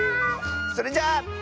それじゃあ。